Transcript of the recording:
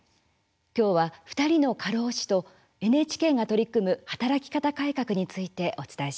今日は２人の過労死とＮＨＫが取り組む働き方改革についてお伝えします。